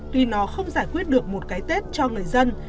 tuy nó không giải quyết được một cái tết cho người dân